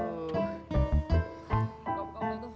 aduh aduh aduh